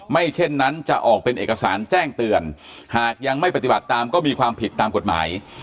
เช่นนั้นจะออกเป็นเอกสารแจ้งเตือนหากยังไม่ปฏิบัติตามก็มีความผิดตามกฎหมาย